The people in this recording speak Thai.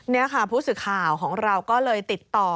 นี่ค่ะผู้สื่อข่าวของเราก็เลยติดต่อ